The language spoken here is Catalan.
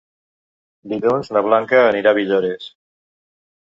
Dilluns na Blanca anirà a Villores.